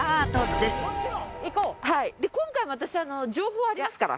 で今回も私情報ありますから。